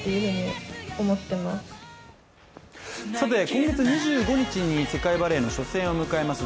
今月２５日に世界バレーの初戦を迎えます